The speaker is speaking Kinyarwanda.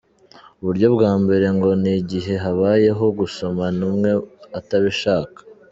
Uburyo bwa mbere ngo ni igihe habayeho gusomana umwe atabishaka.